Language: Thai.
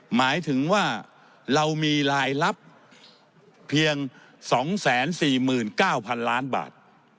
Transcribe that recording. หมายถึงว่าเรามีรายลับเพียง๒๔๙๐๐๐ล้านบาท